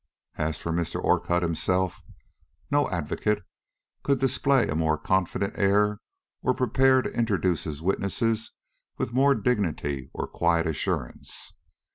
As for Mr. Orcutt himself, no advocate could display a more confident air or prepare to introduce his witnesses with more dignity or quiet assurance.